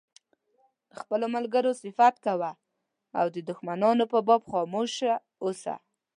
د خپلو ملګرو صفت کوه او د دښمنانو په باب خاموش اوسه.